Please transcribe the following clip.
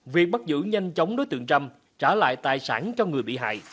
việc bắt giữ nhanh chóng đối tượng trâm trả lại tài sản cho người bị hại